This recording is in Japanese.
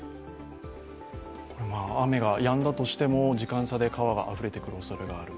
雨がやんだとしても、時間差で川があふれてくるおそれがある。